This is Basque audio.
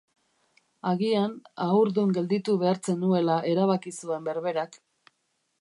Agian, haurdun gelditu behar zenuela erabaki zuen berberak.